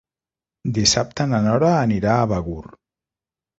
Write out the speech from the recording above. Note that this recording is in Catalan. Dissabte na Nora anirà a Begur.